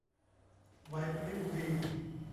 ไหวพริบดี